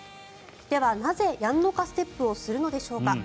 では、なぜやんのかステップをするのでしょうか。